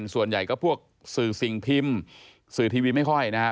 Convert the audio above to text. ส่วนใหญ่ก็พวกสื่อสิ่งพิมพ์สื่อทีวีไม่ค่อยนะครับ